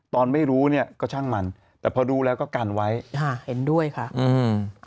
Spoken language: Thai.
ตอนไม่รู้เนี้ยก็ช่างมันแต่พอดูแล้วก็กันไว้ค่ะเห็นด้วยค่ะอืม